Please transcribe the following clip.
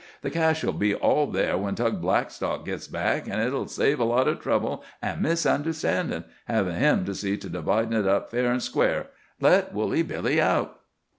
"The cash'll be all there when Tug Blackstock gits back, an' it'll save a lot of trouble an' misunderstandin', havin' him to see to dividin' it up fair an' square. Let Woolly Billy out."